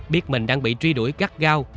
biết mình đang bị truy đuổi gắt gao